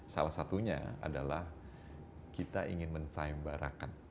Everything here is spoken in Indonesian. salah satunya adalah kita ingin mensaembarakan